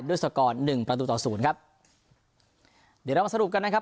สกอร์หนึ่งประตูต่อศูนย์ครับเดี๋ยวเรามาสรุปกันนะครับ